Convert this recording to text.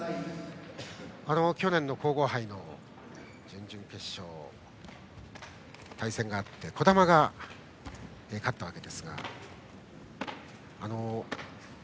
去年の皇后杯の準々決勝でも対戦があって児玉が勝ったわけですが。